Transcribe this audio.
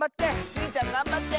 スイちゃんがんばって！